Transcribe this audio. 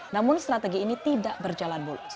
namun strategi ini tidak berjalan mulus